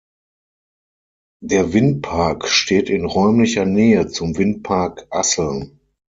Der Windpark steht in räumlicher Nähe zum Windpark Asseln.